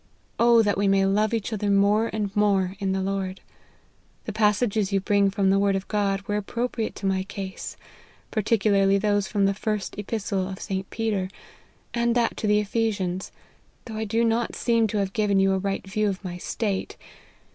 O that we may love each other more and more in the Lord. The passages you bring from the word of God, were appropriate to my case, particularly those from the first Epistle of St. Peter, and that to the Ephesians ; though I do not seem to have given you a right view of my state.